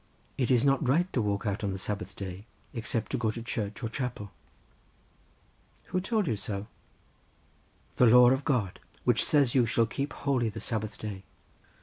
"It is not right to walk out on the Sabbath day, except to go to church or chapel." "Who told you so?" "The law of God, which says you shall keep holy the Sabbath day."